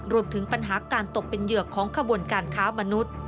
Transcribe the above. รวมถึงปัญหาการตกเป็นเหยื่อของขบวนการค้ามนุษย์